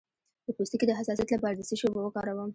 د پوستکي د حساسیت لپاره د څه شي اوبه وکاروم؟